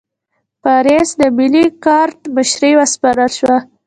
پاریس د ملي ګارډ مشري وسپارل شوه.